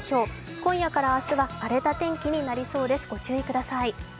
今夜から明日は荒れた天気になりそうです、ご注意ください。